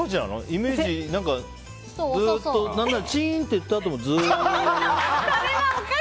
イメージはチンっていったあともずーっと。